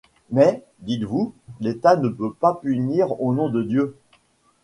Mais, dites-vous, l'État ne peut pas punir au nom de Dieu.